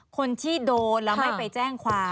คนที่โดนแล้วไม่ไปแจ้งความ